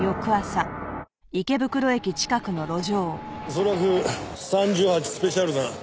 恐らく３８スペシャル弾。